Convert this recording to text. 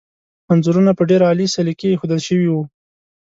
انځورونه په ډېر عالي سلیقې ایښودل شوي وو.